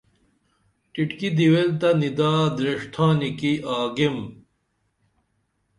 ٹیٹکی دیول تہ نِدا دریش تھانی کی آگیم